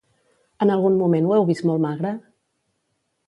En algun moment ho heu vist molt magre?